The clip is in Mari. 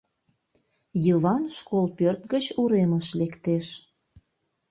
Йыван школ пӧрт гыч уремыш лектеш.